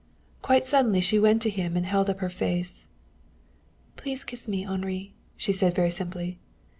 Quite suddenly she went to him and held up her face. "Please kiss me, Henri," she said very simply.